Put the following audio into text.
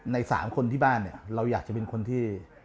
๓คนที่บ้านเนี่ยเราอยากจะเป็นคนที่